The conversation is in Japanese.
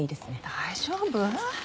大丈夫？